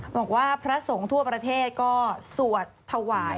บอกว่าพระสงฆ์ทั่วประเทศก็สวดถวาย